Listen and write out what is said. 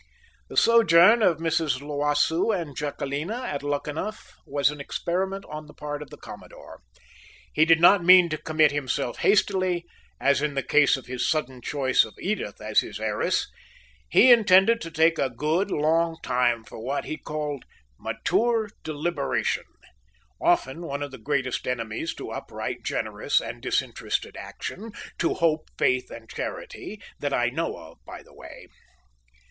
The sojourn of Mrs. L'Oiseau and Jacquelina at Luckenough was an experiment on the part of the commodore. He did not mean to commit himself hastily, as in the case of his sudden choice of Edith as his heiress. He intended to take a good, long time for what he called "mature deliberation" often one of the greatest enemies to upright, generous, and disinterested action to hope, faith, and charity, that I know of, by the way.